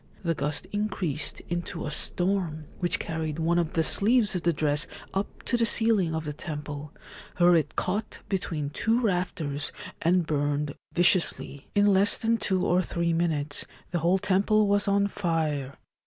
The gust increased into 86 Great Fire caused by a Lady's Dress a storm, which carried one of the sleeves of the dress up to the ceiling of the temple, where it caught between two rafters and burned viciously. In less than two or three minutes the whole temple was on fire.